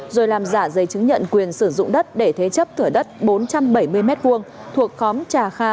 rồi làm giả giấy chứng nhận quyền sử dụng đất để thế chấp thửa đất bốn trăm bảy mươi m hai thuộc khóm trà kha